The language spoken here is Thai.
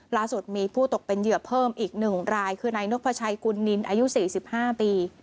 ล่าสุดมีผู้ตกเป็นเหยื่อเพิ่มอีก๑รายคือนายนกพระชัยกุลนินอายุ๔๕ปี